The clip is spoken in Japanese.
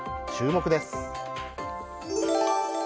注目です。